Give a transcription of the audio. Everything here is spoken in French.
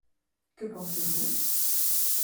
Que pensez-vous ?